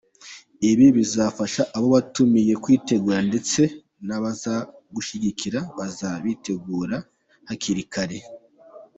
Ibi bizafasha abo watumiye kwitegura ndetse n’abazagushyigikira bazabitegura hakiri kare.